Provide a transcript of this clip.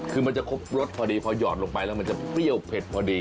คือมันจะครบรสพอดีพอหยอดลงไปแล้วมันจะเปรี้ยวเผ็ดพอดี